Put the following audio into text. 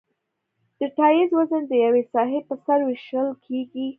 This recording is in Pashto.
د ټایر وزن د یوې ساحې په سر ویشل کیږي